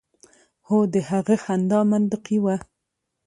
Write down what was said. خو د هغه خندا منطقي وه